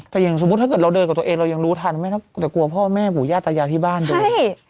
แต่อย่างสมมุติถ้าเกิดเราเดินกับตัวเองเรายังรู้ทันแต่กลัวพ่อแม่ปู่ย่าตายายที่บ้านด้วย